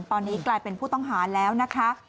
ตอนนี้กลายเป็นผู้ต้องหาแล้วนะคะ